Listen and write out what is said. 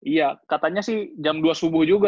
iya katanya sih jam dua subuh juga